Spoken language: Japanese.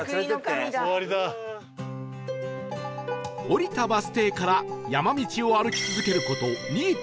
降りたバス停から山道を歩き続ける事 ２．５ キロ